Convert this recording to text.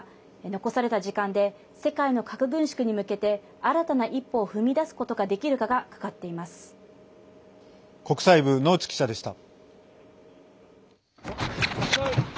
残された時間で世界の核軍縮に向けて新たな一歩を踏み出すことができるかが国際部、能智記者でした。